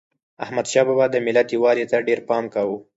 احمدشاه بابا د ملت یووالي ته ډېر پام کاوه.